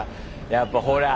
やっぱほら。